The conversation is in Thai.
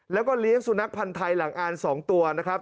แล้วก็เลี้ยงสุนัขพันธ์ไทยหลังอ่าน๒ตัวนะครับ